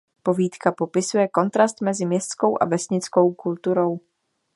Povídka popisuje kontrast mezi městskou a vesnickou kulturou.